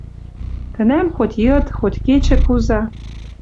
Тӹнӓм хоть йыд, хоть кечӹ куза